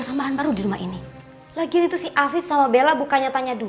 sampai jumpa di video selanjutnya